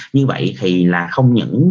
như vậy thì là không những